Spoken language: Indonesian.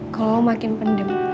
kalau lo makin pendem